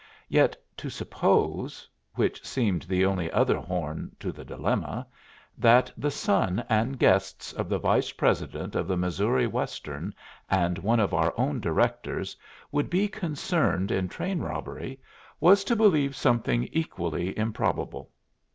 Yet to suppose which seemed the only other horn to the dilemma that the son and guests of the vice president of the Missouri Western, and one of our own directors, would be concerned in train robbery was to believe something equally improbable.